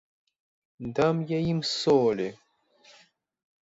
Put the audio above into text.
Дам я їм солі!